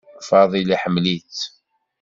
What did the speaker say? Fadil iḥemmel-itt.